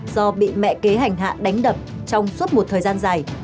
do bị mẹ kế hành hạ đánh đập trong suốt một thời gian dài